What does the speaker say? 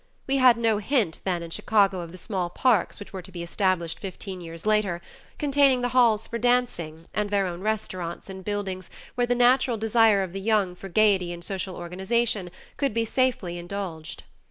We had no hint then in Chicago of the small parks which were to be established fifteen years later, containing the halls for dancing and their own restaurants in buildings where the natural desire of the young for gayety and social organization, could be safely indulged.